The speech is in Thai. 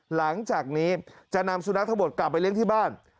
หลังจากนี้จะนำสุนัขทั้งหมดกลับไปเลี้ยงที่บ้าน